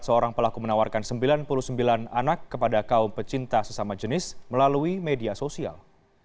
seorang pelaku menawarkan sembilan puluh sembilan anak kepada kaum pecinta sesama jenis melalui media sosial